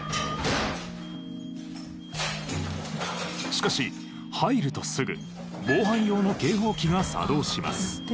しかし入るとすぐ防犯用の警報器が作動します。